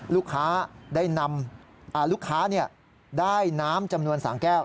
ลูกค้าได้นำลูกค้าได้น้ำจำนวน๓แก้ว